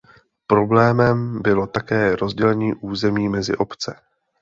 Problémem bylo také rozdělení území mezi obce.